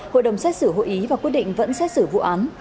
hội đồng xét xử hội ý và quyết định vẫn xét xử vụ án